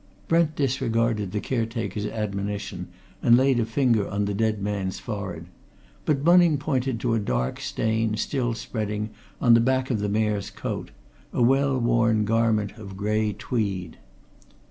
Brent disregarded the caretaker's admonition and laid a finger on the dead man's forehead. But Bunning pointed to a dark stain, still spreading, on the back of the Mayor's coat a well worn garment of grey tweed.